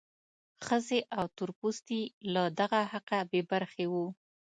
ښځې او تور پوستي له دغه حقه بې برخې وو.